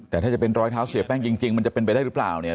แต่ถ้าจะเป็นรอยเท้าเสียแป้งจริงมันจะเป็นไปได้หรือเปล่าเนี่ย